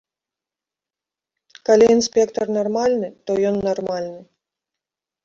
Калі інспектар нармальны, то ён нармальны.